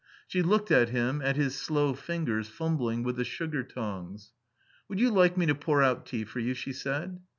She looked at him, at his slow fingers fumbling with the sugar tongs. "Would you like me to pour out tea for you?" she said.